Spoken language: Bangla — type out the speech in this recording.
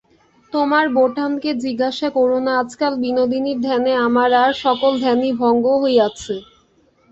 তোমার বোঠানকে জিজ্ঞাসা করো না, আজকাল বিনোদিনীর ধ্যানে আমার আর-সকল ধ্যানই ভঙ্গ হইয়াছে।